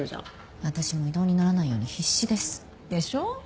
あたしも異動にならないように必死です。でしょ？